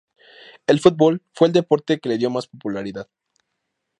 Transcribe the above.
El futbol fue el deporte que le dio más popularidad.